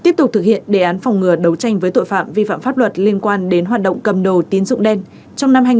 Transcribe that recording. tiếp tục thực hiện đề án phòng ngừa đấu tranh với tội phạm vi phạm pháp luật liên quan đến hoạt động cầm đồ tín dụng đen